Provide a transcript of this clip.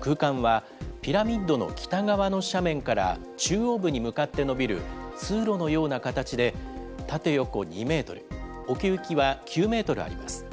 空間は、ピラミッドの北側の斜面から中央部に向かって延びる通路のような形で、縦横２メートル、奥行きは９メートルあります。